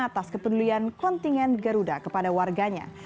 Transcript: atas kepedulian kontingen garuda kepada warganya